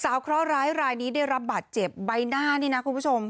เคราะหร้ายรายนี้ได้รับบาดเจ็บใบหน้านี่นะคุณผู้ชม